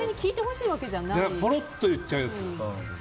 ぽろっと言っちゃうやつ。